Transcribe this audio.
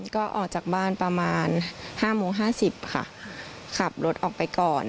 ก็ออกจากบ้านประมาณ๕โมง๕๐ค่ะขับรถออกไปก่อน